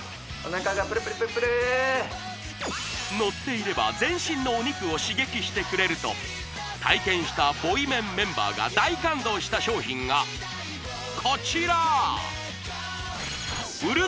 乗っていれば全身のお肉を刺激してくれると体験したボイメンメンバーが大感動した商品がこちら！